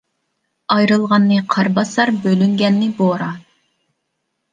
ئايرىلغاننى قار باسار، بۆلۈنگەننى بوران.